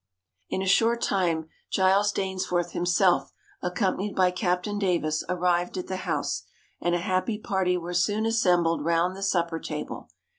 In a short time Giles Dainsforth himself, accompanied by Captain Davis, arrived at the house, and a happy party were soon assembled round the supper table.